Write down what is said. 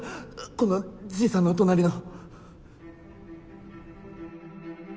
このじいさんの隣の！